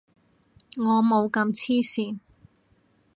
我冇咁黐線